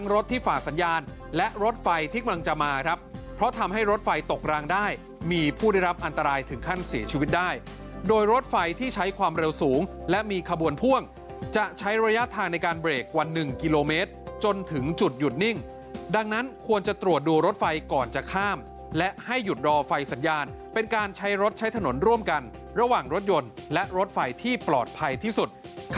รถที่ฝ่าสัญญาณและรถไฟที่กำลังจะมาครับเพราะทำให้รถไฟตกรางได้มีผู้ได้รับอันตรายถึงขั้นเสียชีวิตได้โดยรถไฟที่ใช้ความเร็วสูงและมีขบวนพ่วงจะใช้ระยะทางในการเรกกว่า๑กิโลเมตรจนถึงจุดหยุดนิ่งดังนั้นควรจะตรวจดูรถไฟก่อนจะข้ามและให้หยุดรอไฟสัญญาณเป็นการใช้รถใช้ถนนร่วมกันระหว่างรถยนต์และรถไฟที่ปลอดภัยที่สุด